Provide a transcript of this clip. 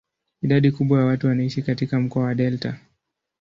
Idadi kubwa ya watu wanaishi katika mkoa wa delta.